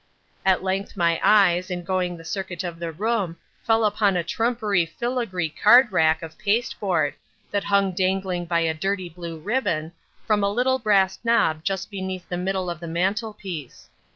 "At length my eyes, in going the circuit of the room, fell upon a trumpery fillagree card rack of pasteboard, that hung dangling by a dirty blue ribbon, from a little brass knob just beneath the middle of the mantel piece.